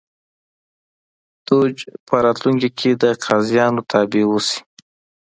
دوج په راتلونکي کې د قاضیانو تابع اوسي.